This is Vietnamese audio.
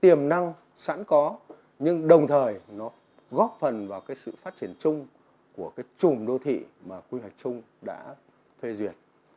tiềm năng sẵn có nhưng đồng thời nó góp phần vào cái sự phát triển chung của cái chùm đô thị mà quy hoạch chung đã phê duyệt